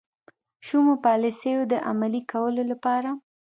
شومو پالیسیو د عملي کولو لپاره.